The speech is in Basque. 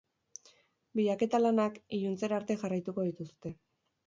Bilaketa lanak iluntzerarte jarraituko dituzte.